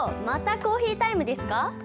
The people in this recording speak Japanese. またコーヒータイムですか？